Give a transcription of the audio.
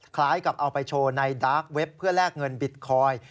คล้ายกับเอาไปโชว์ในดาร์กเว็บเพื่อแลกเงินบิตคอยน์